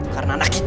karena anak kita